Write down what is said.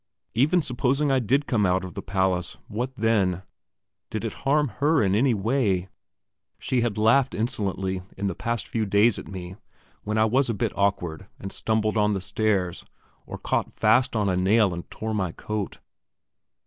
Even supposing I did come out of the palace, what then? Did it harm her in any way? She had laughed insolently in the past few days at me, when I was a bit awkward and stumbled on the stairs, or caught fast on a nail and tore my coat.